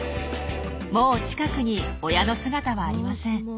もう近くに親の姿はありません。